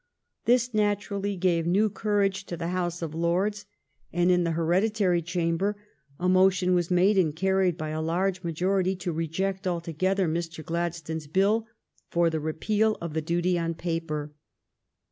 This naturally gave new courage to the House of Lords, and in the Heredi Q 226 THE STORY OF GLADSTONE'S LIFE tary Chamber a motion was made and carried by a large majority to reject altogether Mr. Glad stone's bill for the repeal of the duty on paper.